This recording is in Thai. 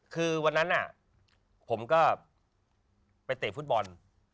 คือวันนั้นผมก็ไปเตะฟุตบอล